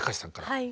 はい。